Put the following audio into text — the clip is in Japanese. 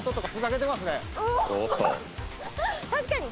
確かに！